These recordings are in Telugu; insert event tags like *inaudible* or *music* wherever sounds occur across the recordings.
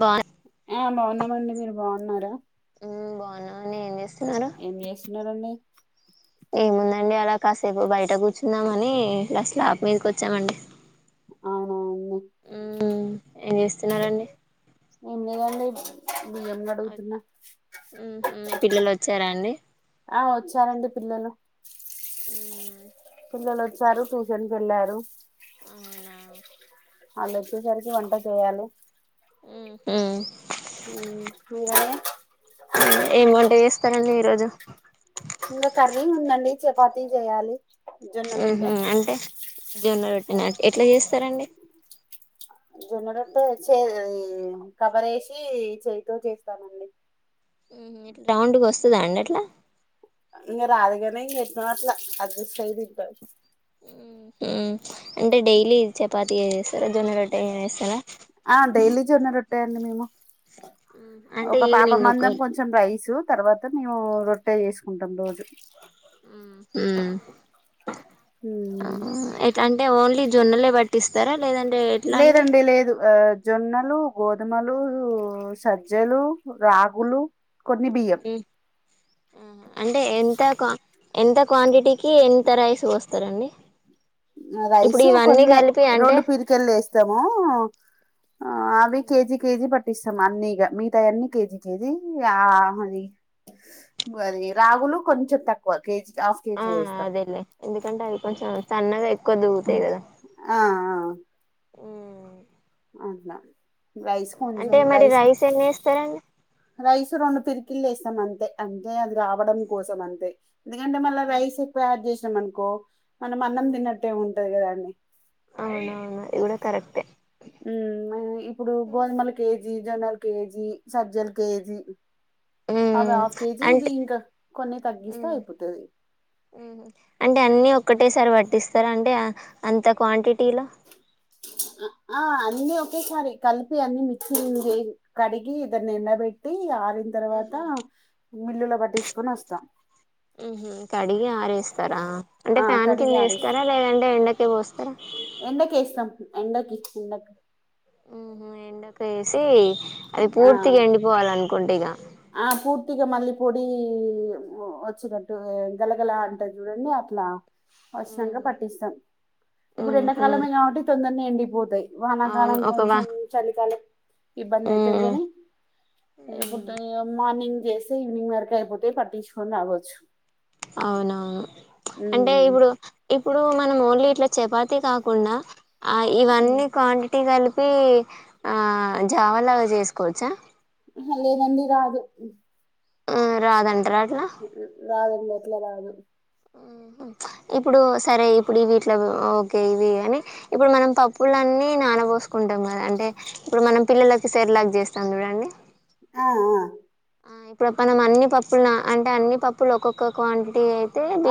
బా ఆ బాగున్నామండి మీరు బాగున్నారు ఉ బాగున్నమండి ఎం చేస్తున్నారు ఏం చేస్తున్నారంండి ఏముందండి అలా కాసేపు బయట కూర్చున్నామని ఇ స్లాప్ మీదక వచ్చామండి అవునా అండి ఉ ఏమి చేస్తున్నారు అండి ఏం లేదండి బియ్యం కడుగుతున్న మీ పిల్లలు వచ్చారా అండి ఆ వచ్చారండి పిల్లలు పిల్లలు వచ్చారు ట్యూషన్కకీ వెళ్ళారు అవునా వాళ్ళు వచ్చేసరికి వంట చేయాలి ఆ మీర్ ఫైనల్లీ ఈరోజు ఇంకా కర్రీ ఉందండి చపాతీ చేయాలి జొన్న ఉహ రొట్టె అంటే జోన్న రొట్టి నా ఎట్లా చేస్తారండి జొన్నడట్ట చే కబర వేసి చేతో చేస్తానండి ఇలా రౌండ్గా వస్తదా అండి అట్లా ఇంగ రాదుగాని ఇంగ ఎట్లానొమాట్లు అడ్జస్ట్ అయి తింటారు అంటే డైలీ చపాతి చేస్తారా జొన్న రొట్ట ఏమిేస్తారా ఆ డైలీ చూన్న రొట్టాయండి మేము అంటే ఒక పాప ఈవినింగ్ ఒక మందం కొంచెం రైసు తర్వాత నువవు రొట్టే చేసుకుంటాం రోజు ఉ హ ఎలా అంటే ఓన్లీ జొన్నలే పట్టిస్తారా లేదంటే ఎట్లా అండి లేదండి లేదు ఆ జొన్నలు గోధుమలు సజ్జలు రాగులు కొన్ని బియ్యం అంటే ఎంత క్వా ఎంత క్వాంటిటీకి ఎంత రైస్ వస్తారంండి రైస్ కొన్ని అంటే రెండు పీరికలు వేస్తాము ఆ అవి కేజి కేజి పట్ట పట్టిస్తాం అన్ని మిగతాయి అన్నిీ కేజీ కేజీ ఆ అది అది రాగులు కొంచెం తక్కువ కేజీ హాఫ్ ఆ కేజీ వేస్తాం అదేలే ఎందుకంటే అది కొంచెం సన్నగా ఎక్కువ దిగుతుంది ఆ ఆ అట్లా రైస్ కొంచెం అంటే మరి రైస్ ఎన్ని వేస్తారండి రైస్ రెండు పిరికిళ్లు వేస్తాం అంత అే అంటే అది రావడం కోసం అంతే ఎందుకంటే మళ్ళా రైస్ ఎక్కువ యాడ్ చేసినాం అనుకో మనం అన్నం తిన్నట్టే ఉంటది కదాండి అవునవునా ఇ కూడా కరెక్టే ఉ ఇప్పుడు గోధుమల కేజీ జోనల్ కేజీ సజ్జల్ కేజీ అవి హ్మ్ హాఫ్ కేజీ అంటే ఇవి ఇంకా కొన్ని తగ్గిస్తా అయిపోతది ఉ అంటే అన్నిీ ఒకటి ఒకేసారి వట్టిస్తారా అంటే అంత క్వాంటిటీలో ఆ అన్నిీ ఒకేసారి కలిపి అన్ని మిక్చింగ్ కడిగి ఇదన్న ఎండబెట్టి ఆరిన తర్వాత ఆహా మిల్లులో పట్టించుకొని వస్తాం ఉహ కడిగి ఆరేస్తారా అంటే ఆ ఫ్యాన్ కింద కడిగి వేస్తారా లేదంటే ఎండక పోస్త ఎంటక ఎస్తాం ఎండకి ఎక ఉహ ఎండక వేసి అది ఆ పూర్తిగా ఎండిపోవాలి అనుకుంట ఇగ ఆ పూర్తిగా మళ్ళీ పొడి వచ్చినట్టు గలగల అంటారు చూడండి అట్లా వసినంగా పట్టిస్తాం ఇప్పుడు ఉహు ఎండాకాలమే కాబట్టి తొందరని ఎండిపోతాయి అవును వానాకాలం ఒకవా కొంచెం చలికాలం ఇబ్బంది అవుతది ఉమ్ కాని ఎప్పుడు మార్నింగ్ చేస్తే ఈవినింగ్ వరకు అయిపోతే పట్టించుకొని రావచ్చు అవునవును అంటే ఇప్పుడు ఇప్పుడు మ ఓన్లీ ఈ చపాతీ ఇ కాకుండా ఆ జావ లాగా చేసుకోవచ్చా లేదండి రాదు ఆ రాదంట రా రాదుండిట్లా రాదు ఉ ఇప్పుడు సరే ఇప్పుడు వీటిలో ఓకే ఇవి అని ఇప్పుడు మనం పప్పులన్నీ నానబోస్త చసుకుంటాం కదా అంటే ఇప్పుడు మనం పిల్లలకి సెర్ లాక్ చేస్తాం చూడండి ఆహ ఆ ఇప్పుడు మనం అన్ని పప్పులున అంటే అన్ని పప్పులు ఒక్కొక్క క్వాంటిటీ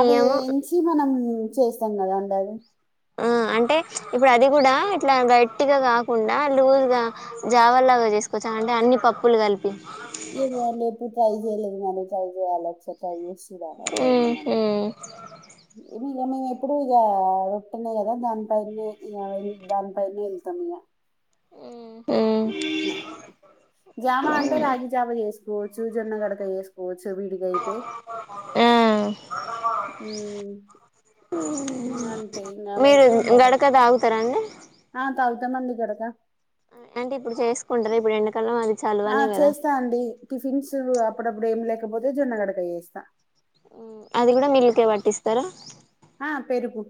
అవి ఎంచి మనం చేస్తాం కదా అండి అది ఆ అంటే ప్చ్ ఇప్పుడు అది కూడా ఇట్లా గట్టిగా కాకుండా లూజ్ గా జావలాగ చేసుకోచ్చా అంటే అన్నీ పప్పులు కలిప్ ఏ నేను ఎప్పుడు ట్రై చేయలేదు మేడం ట్రై చేయాలి *unintelligible* చేస్ టీ తాగురా అట్లైతే మరి మ్మ్ ఇప్ ఇగ మేము ఎప్పుడూ ఇగ ఉట్టినే కదా దాని పైనే ఇగ దాని పైనే వెళ్తాం ఇగ. హ్మ్ జామ అంటే రాగి జావా చేసుకోవచ్చు జొన్న గడక చేసుకోవ చ్చు విడిగా అయితే ఉమ్ అంతే ఇంకా మీరు అవైతే ఎండక గడక తాగుతారాండి ఆ తాగుతామండి గడక ఆయ్ ఆ చలువనే కదా చేస్తా అండి టిఫిన్స్ అప్పుడప్పుడు ఏం లేక్ కపోతే జొన్నగడక చేస్తా మ్మ్ అది కూడా మిల్లుకే పట్టిస్తారా ఆ పెరుగు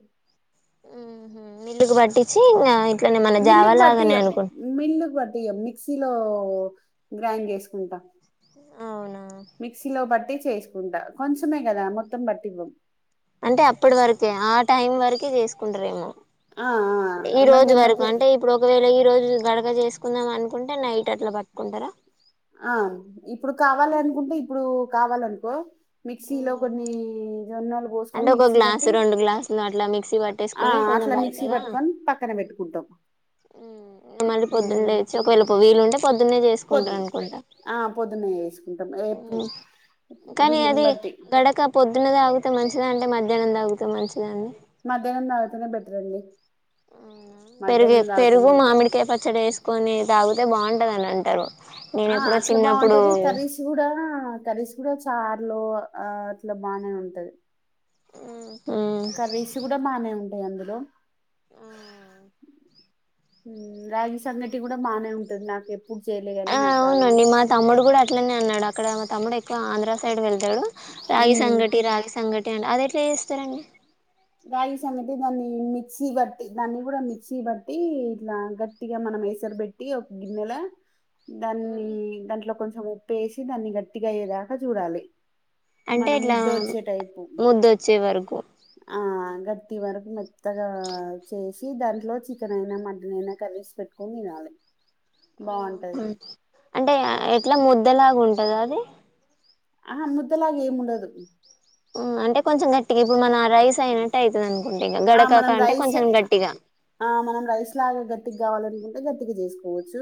ఉమ్ హు మిల్లుకు పట్టిచ్చి ఇంగ ఇట్లనే మన జావా లాగానే అనుకో ఇగ మిక్సీలో గ్రైండ్ చేసుకుంటా అవునా మిక్సీ లో బట్టి చేసుకుంటా కొంచమే కదా మొత్తం బట్టి ఇవ్వం అంటే అప్పటి వరకే ఆ టైం వరకే చేసుకుంటరేమో ఆ ఆ ఈ ఎమ్మటే రోజు వరకు ఎమ్మటే అంటే ఇప్పుడు ఒకవేళ ఈ రోజు గడగ చేసుకుందాం అనుకుంటే నైట్ అట్లా పట్టుకుంటారా ఆ ఇప్పుడు కావాలి అనుకుంటే ఇప్పుడు కావాలనుకో మిక్సీలో ఉమ్. కొన్ని జొన్నలు పోసుకొని, అంటే ఒక మిక్సీ పట్టి గ్లాసు రెండు గ్లాసులు అట్లా మిక్సీ ఆ పట్టేసుకొని కొంచెం అట్లా మిక్సీ పట్టుకొని పక్కన పెట్టుకుంటాం హ్మ్ మళ్ళీ పొద్దున్ లేచి ఒకవేళ పొ వీలు ఉంటే పొద్దున్నే పొద్ చేసుకుంటారు అనుకుంటా ఆ పొద్దున్నే వేసుకుంటాం ఏపు ఉమ్, కానీ వీళ్ళుని అది బట్టి గడక పొద్దున్నే తాగుతే మంచిది అంటే మధ్యాహ్నం తాగితే మంచిదని మధ్యాహ్నం తాగితేనే బెటర్ అండి అవునా పెరుగే మధ్యాహ్నం తాగితేనే పెరుగు బెటర్ మామిడికాయ పచ్చడి వేసుకొని తాగితే బాగుంటది అని అంటారు. నేను ఆ ఎప్పుడో అట్లా చిన్నప్పుడు బాగుంటది కర్రీస్ కూడా ఆ కర్రీస్ కూడా చార్లో ఆ అట్లా బానే ఉంటది. మ్మ్ కర్రీస్ కూడా బానే ఉంటాయి అందులో ఆవ్ మ్మ్ రాగి సంగటి కూడా బానే ఉంటంది నాకు ఎప్ ఆ అవునండి. మా తమ్ముడు కూడా అట్లనే అన్నాడు. అక్కడ మా తమ్ముడు ఎక్కువ ఆంధ్ర సైడ్ వెళ్ త్తాడు రాగి సంగటి రాగి సంగటి అంటే అది ఎట్లా చేస్తారండి. ప్చ్ గాయి సంగటి దాన్ని మిక్సీ బట్టి దాన్ని కూడా, మిక్సీ బట్టి ఇట్లా గట్టిగా మన మేసరు బెట్టి ఒక గిన్నెల దాన్ని దాంట్లో కొంచెం ఉప్పేసి దాన్ని గట్టిగా అయ్యేదాకా చూడాలి. మన అంటే ఇట్లా ముద్ద వచ్చే టైపు ముద్ద వచ్చే వరకు హ్ ఆ గట్టి వరకు మెత్తగా వచ్చేసి, దాంట్లో చికెన్ అయినా మటన్ అయినా కర్రీసి పెట్టుకొన్ తినాలే అహా అంటే ఎట్లా ముద్దలాగుంటదా అది ఆ ముద్దలాగ ఏం ఉండదు ఊ అంటే కొంచెం గట్టిగా ఇప్పుడు మన రైస్ అయినట్టు ఐతది అనుకుంటే ఇగ ఆ గడకాక మనం అంటే రైస్ కొంచెం గట్టిగా ఆ మనం రైస్ లాగా గట్టికి కావాలి ఇంకా గట్టిగా చేసుకోవచ్చు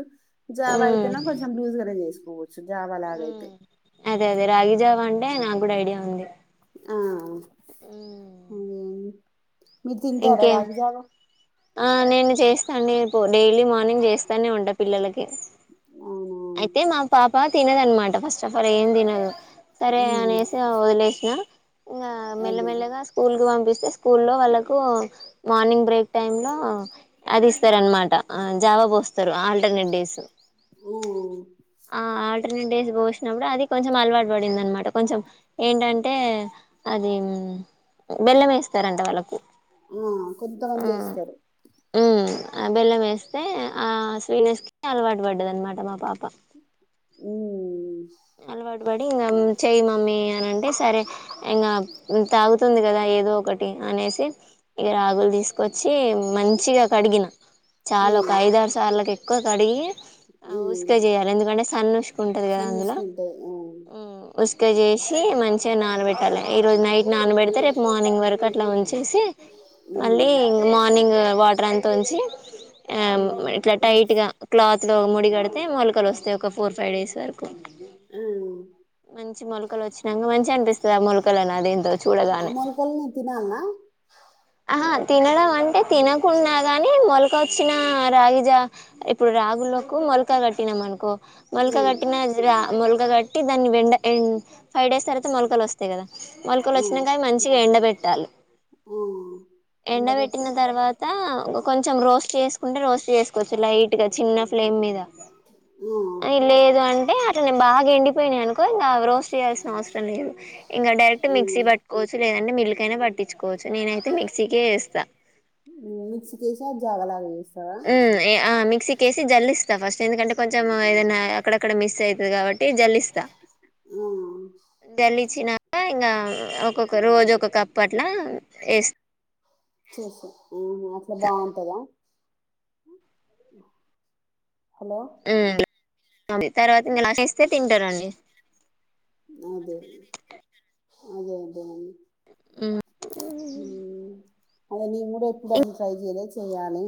జావ ఉమ్ అయితేనా కొంచం లూజ్గానే చేవచ్చు ఉమ్ అదే అదే రాగి జావ అంటే నాకు కూడా ఐడియా ఉంది ఆ ఉమ్ మీరు తింటారా ఇంకేం రాగి జావా ఆ నేను చేస్తాండి నిపు డైలీ మార్నింగ్ చేస్తానే ఉంటా పిల్లలకి అవునా అయితే మా పాప తినదనమాట ఫస్ట్ ఆఫ్ ఆల్ ఏం తినదు సరే ఉమ్ అనేసి వదిలేసిన ఇంగ అదే మెల్లమెల్లగా స్కూల్కి పంపిస్ తే స్కూళ్ళో వాళ్లక్ కు మార్నింగ్ బ్రేక్ టైం లో అది ఇస్తారన్నమాట అ జావా పోస్తారు ఆల్డ్ న్ని డేస్ ఆ మ్ ఆల్టర్నేట్ డేస్ పోసినప్పుడు అది కొంచెం అలవాటు పడిందన్నమాట కొంచం ఏంటంటే అద్ మ్ బెల్లం వేస్తారంట వాళ్ళకు అ కొంతమందే ఉమ్ చేస్తారు ఉమ్ ఆ బెల్లం వేస్తే ఆ శీనేస్ కి అలవాటు పడ్డది అనమాట మా పాప హుమ్ అలవాటుపడి ఇం చై మామ్మి అనంటే సరే ఇంగ తాగుతుంది కదా ఏదో ఒకటి అనేసి ఇగ రాగులు తీసుకొచ్చి మంచిగా కడిగిన చాలు ఒక ఉమ్ ఐదారుసార్లకు ఎక్కువ కడిగి ఆ ఊసుక ఉమ్ చేయాలి ఎందుకంటే సన్నుష్ ంటది కదా అందులో సన్నసుకుంటది ఆ మ్ ఉసుక చేసి మంచిగా నానబెట్టాలే ఈ రోజు నైట్ ననబెడితే రేపు మార్నింగ్ వరకు అట్లా ఉంచేసి మళ్ళీ ఉమ్ మార్నింగ్ వట్ ప్రాంతంచి ఆ ఉమ్ ఇట్లా ఉమ్ టైట్ గా క్లాత్ త్ ళ్ళో ముడి కడితే మొలకలోస్తాయి ఒక ఫోర్ ఫైవ్ డేస్ వరకు మ్ మంచి మొలకలు వచ్చినాక మంచిగనిపిస్తది అ మొలకలను అదేందో ఆ చూడగానే మొలకల్ని తినాల్నా ఆహా తినడం అంటే తినకున్న గాని మొలక చ్చిన రాగిజ ఇప్పుడు రాగులకు మొలకా కట్టినాం అనుకో మొల్క ఉమ్ కట్టిన జ్రా మొల్కా కట్టి దాన్ని బెండ ఎం ఫైవ్ డేస్ తర్వాత మొలకలోస్తాయి కదా ఆ మొలకలోచ్చినంకనే మంచిగా ఎండబెట్టాలి ఆ ఎండ ఎండబెట్టి పెట్టిన తర్వాత ఒక కొంచెం రోస్ట్ చేసుకుంటే రోస్ట్ చేసుకోవచ్చు లై చిన్న ఫ్లేమ్ మీద ఆ అది లేదు అంటే ేను బాగా ఎండిపోయినాయనుకో ఇంగ రో చేయాల్సిన అవసరం లేదు ఇంగ డైరెక్ట్ మిక్సీ పట్టుకోచ్చు లేద మిల్క్ అయినా పట్టించుకోవచ్చు నేనైతే మిక్సీకే ఎస్తా అ అ మిక్కేసి జల్లిస్తా ఫస్ ఎందుకంటే కొంచెం ఏదైనా అక్కడక్కడ మిస్ అయితది కాబట్టి జల్లిస్తా ఆ జల్లి వచ్చినాక ఇంగ ఒక్కొక్క రోజు ఒక కప్పు పట్ల ఎస్ చూసా ఆ అట్లా బాగుంటందా హలో హ్మ్. అది తర్వాత ఎస్తే తింటారండి అదే అదే అదే హ హ్మ్. అదే నీను కూడా ఎప్పుడు అట్ల ట్రై చేయలే చేయ్యలి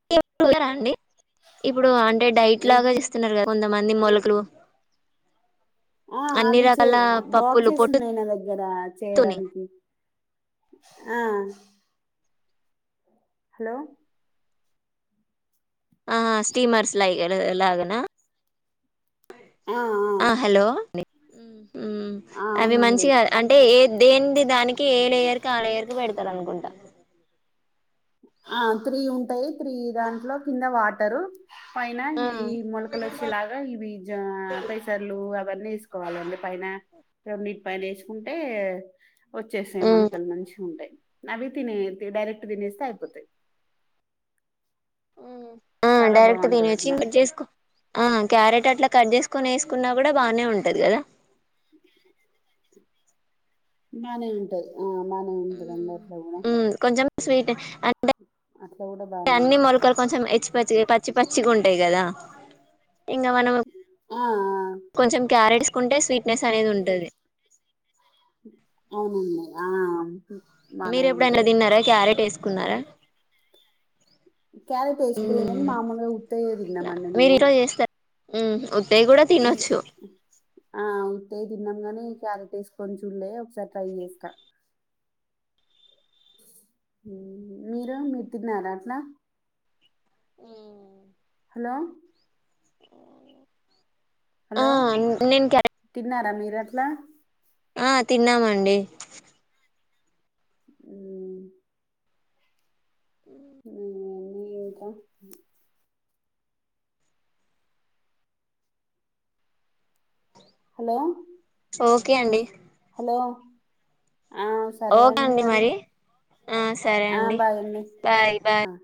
*unintelligible* అండి ఇప్పుడు అంటే డైట్ లాగా ఏది చేస్తున్నారు కదా కొంత మంది మొలకలు ఆ అన్ని అది చే రకాల పప్పులు బాక్సెస్ ఉన్నాయి నా దగ్గర పొట్టుతోని చేయడానికి ఆ హలో ఆ స్టీమర్స్ ల లాగనా ఆ ఆ హలో ఆ, అవి అవునండి మంచిగా అంటే ఏ దేంది దానికి ఏ లేయర్కి ఆ లేయర్కు పెడతారు అనుకుంటా ఆ త్రీ ఉంటాయి త్రీ దాంట్లో కింద వాటరు పైన ఆ ఈ ఈ మొలకలొచ్చి లాగా ఇవి జ పెసర్లు ఇవన్నీ వేసుకోవాలి అందు పైన రెండిటి పైన వేసుకుంటే వచ్చేసాయి మ్మ్ మనకలు మంచిగా ఉంటాయి అవి తిన డైరెక్ట్ తినేస్తే అయి పోతయ్ ఆ డైరెక్ట్ దినేయోచు అట్లా కట్ చేసుకో ఆ క్యారెట్ అట్లా కట్ చేసుకొని వేస్ కున్నా కూడా బానే ఉంటది కదా బానే ఉంటది ఆ బానే ఉంటదండి అట్లా కూడా మ్మ్ కొంచెం స్వీట్ అంటే అట్లా కూడా బానే అన్ని ఉంటయ్ మొలకలు కొంచెం హెచ్చి పచ్చి పచ్చి పచ్చిగా ఉంటాయి కదా ఇంకా మనం ఆ కొంచెం క్యారెట్స్కుంటే స్వీట్నెస్ అనేది ఉంటది అవునండి ఆ బానే మీరేప్పుడైనా ఉంటది తిన్నారా క్యారెట్ వేసుకున్నారా క్యారెట్ వేసుకోలే గాని మ్మ్ మామూలుగా ఉత్తయ్యే తిన్నా మండి మేము ఉ ఉద్దయి కూడా ఇది తినొచ్చు ఆ ఉత్తయి తిన్నాం గాని క్యారెట్ వేసుకొని చులే ఒకసారి ట్రై చేస్తా మీరు మీరు తిన్నారా అట్లా ఊ మ్ హలో అఓ హలో తిన్నారా మీరట్లా ఆ తిన్నామండి మ్ మ్ ఇంక ఏక హలో ఓకే అండి హలో! ఆ సరే అండి మరి ఆ సరే ఆ అండి బాగున్న బాయ్ ఆ బాయ్